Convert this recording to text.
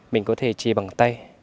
mình có thể chỉ bằng tay